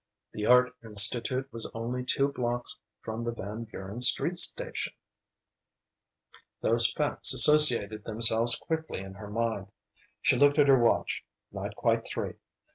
The Art Institute was only two blocks from the Van Buren Street station; those facts associated themselves quickly in her mind. She looked at her watch: not quite three.